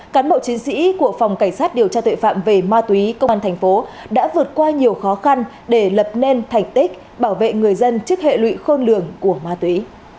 cán bộ chiến sĩ của phòng cảnh sát điều tra tuệ phạm về ma túy công an thành phố đã vượt qua nhiều khó khăn để lập nên thành tích bảo vệ người dân trước hệ lụy khôn lường của ma túy